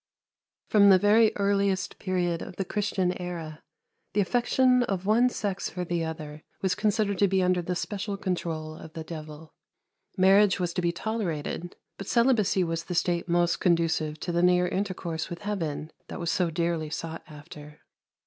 From the very earliest period of the Christian era the affection of one sex for the other was considered to be under the special control of the devil. Marriage was to be tolerated; but celibacy was the state most conducive to the near intercourse with heaven that was so dearly sought after.